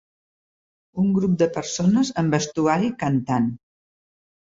Un grup de persones amb vestuari cantant.